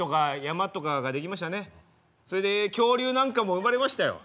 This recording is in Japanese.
それで恐竜なんかも生まれましたよ。